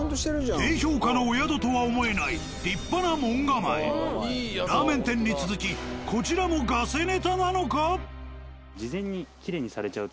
低評価のお宿とは思えないラーメン店に続きこちらもガセネタなのか？